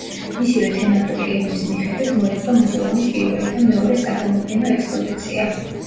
მისივე თემატური გეგმის მიხედვით მოეწყო მუზეუმის პირველი და მეორე საგამოფენო ექსპოზიცია.